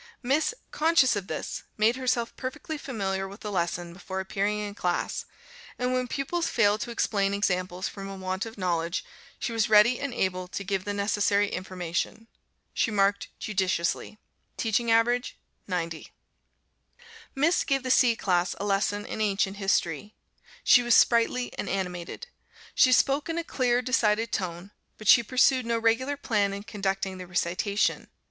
Miss , conscious of this, made herself perfectly familiar with the lesson before appearing in class, and when pupils failed to explain examples from a want of knowledge, she was ready and able to give the necessary information. She marked judiciously. Teaching average 90. Miss gave the C class a lesson in Ancient History. She was sprightly and animated. She spoke in a clear, decided tone; but she pursued no regular plan in conducting the recitation.